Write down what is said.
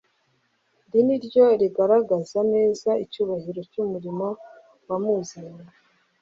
ni ryo rigaragaza neza icyubahiro cy'umurimo wamuzanye.